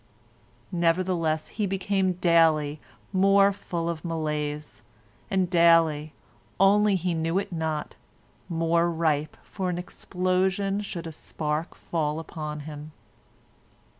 Nevertheless he became daily more full of malaise, and daily, only he knew it not, more ripe for an explosion should a spark fall upon him.